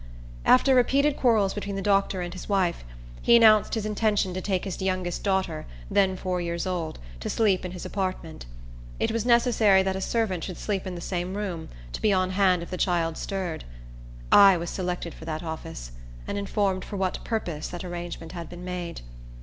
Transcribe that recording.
After repeated quarrels between the doctor and his wife, he announced his intention to take his youngest daughter, then four years old, to sleep in his apartment. It was necessary that a servant should sleep in the same room, to be on hand if the child stirred. I was selected for that office, and informed for what purpose that arrangement had been made.